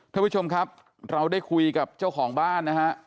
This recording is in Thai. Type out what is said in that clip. ท่านผู้ชมครับเราได้คุยกับเจ้าของบ้านนะฮะ